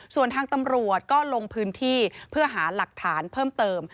ส่วนทางตำรวจก็ลงพื้นที่เพื่อหาหลักฐานเพิ่มเติม